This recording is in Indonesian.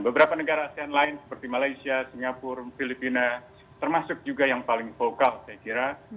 beberapa negara asean lain seperti malaysia singapura filipina termasuk juga yang paling vokal saya kira